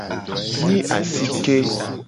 Nyi asike.